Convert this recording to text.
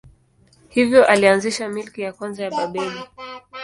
Hivyo alianzisha milki ya kwanza ya Babeli.